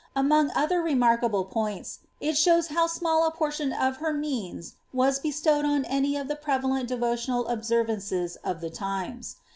Among other remarkable points, it shows how small a portion of her means was bestowed on any of the prevalent devotional observances of the times.